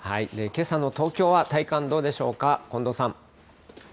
けさの東京は体感、どうでしょうか。